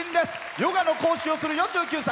ヨガの講師をする４９歳。